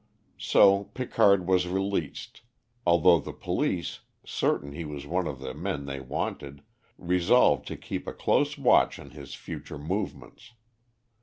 So Picard was released, although the police, certain he was one of the men they wanted, resolved to keep a close watch on his future movements.